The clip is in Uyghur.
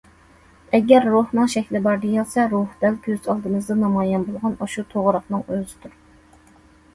ئەگەر روھنىڭ شەكلى بار دېيىلسە، روھ دەل كۆز ئالدىڭىزدا نامايان بولغان ئاشۇ توغراقنىڭ ئۆزىدۇر.